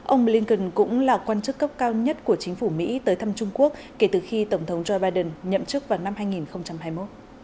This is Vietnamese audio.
ông blinken cũng là quan chức cấp cao nhất của chính phủ mỹ tới thăm trung quốc kể từ khi tổng thống joe biden nhậm chức vào năm hai nghìn hai mươi một